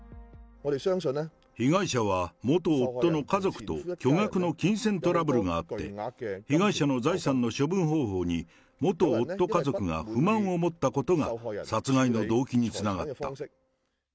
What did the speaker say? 被害者は、元夫の家族と巨額の金銭トラブルがあって、被害者の財産の処分方法に元夫家族が不満を持ったことが殺害の動機につながった。